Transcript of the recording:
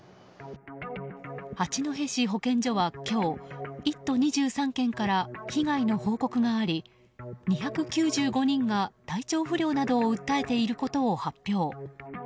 八戸市保健所は今日１都２３県から被害の報告があり２９５人が体調不良などを訴えていることを発表。